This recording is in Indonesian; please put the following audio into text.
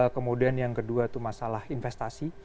kemudian yang kedua itu masalah investasi